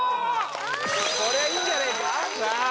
これはいいんじゃねえかさあ